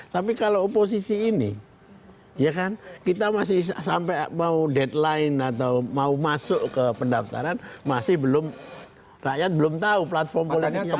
tapi kalau oposisi ini ya kan kita masih sampai mau deadline atau mau masuk ke pendaftaran masih belum rakyat belum tahu platform politiknya